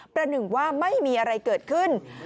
หนึ่งว่าไม่มีอะไรเกิดขึ้น